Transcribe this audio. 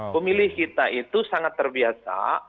pemilih kita itu sangat terbiasa